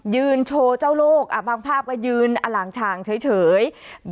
ยืนโชว์เจ้าโลกบางภาพก็ยืนอล่างฉ่างเฉย